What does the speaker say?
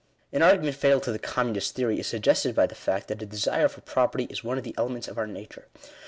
An argument fatal to the communist theory, is suggested by the fact, that a desire for property is one of the elements of our nature.